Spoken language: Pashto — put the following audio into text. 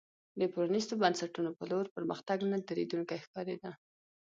د پرانیستو بنسټونو په لور پرمختګ نه درېدونکی ښکارېده.